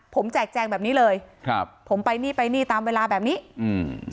ผมแจกแจงแบบนี้เลยครับผมไปนี่ไปนี่ตามเวลาแบบนี้อืม